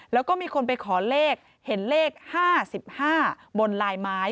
แล้วก็มีคนไปขอเลขเห็นเลข๕๕บนลายไม้